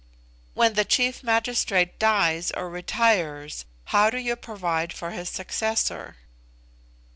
"When the chief magistrate dies or retires, how do you provide for his successor?"